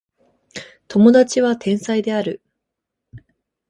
友達は天才である